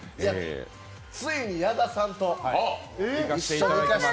ついに矢田さんと一緒に行かせていただきました。